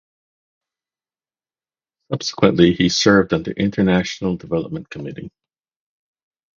Subsequently, he served on the International Development Committee.